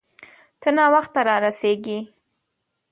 ته ناوخته را رسیږې